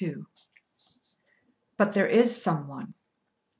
"BUT THERE IS SOME ONE."